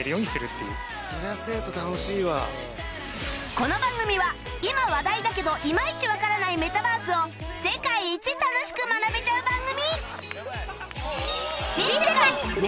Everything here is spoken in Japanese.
この番組は今話題だけどいまいちわからないメタバースを世界一楽しく学べちゃう番組！